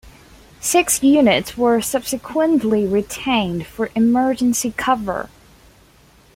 Six units were subsequently retained for emergency cover.